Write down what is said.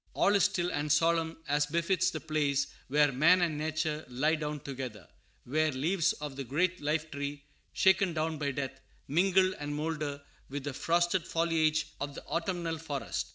All is still and solemn, as befits the place where man and nature lie down together; where leaves of the great lifetree, shaken down by death, mingle and moulder with the frosted foliage of the autumnal forest.